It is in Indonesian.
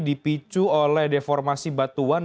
dipicu oleh deformasi batuan